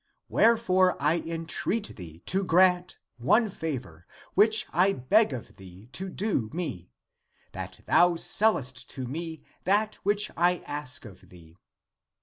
Wherefore I entreat thee to grant one favor, which I beg of thee to do me, that thou sellest to me that which I ask of thee."